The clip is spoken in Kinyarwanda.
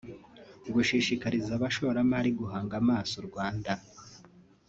gushishikariza abashoramari guhanga amaso u Rwanda